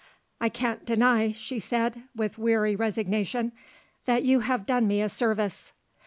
"I can't deny," she said, with weary resignation, "that you have done me a service."